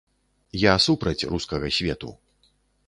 Я супраць рускага свету.